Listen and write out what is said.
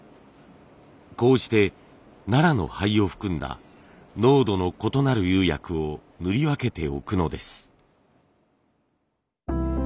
こうしてナラの灰を含んだ濃度の異なる釉薬を塗り分けておくのです。